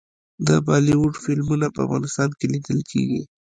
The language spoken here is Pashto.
د بالیووډ فلمونه په افغانستان کې لیدل کیږي.